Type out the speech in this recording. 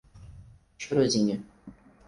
Chorozinho